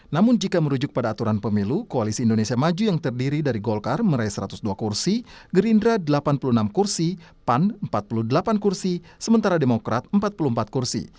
namun jika merujuk pada aturan pemilu koalisi indonesia maju yang terdiri dari golkar meraih satu ratus dua kursi gerindra delapan puluh enam kursi pan empat puluh delapan kursi sementara demokrat empat puluh empat kursi